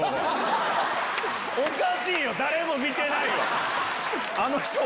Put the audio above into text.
おかしいよ「誰も見てない」は。